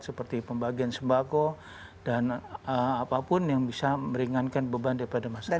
seperti pembagian sembako dan apapun yang bisa meringankan beban daripada masyarakat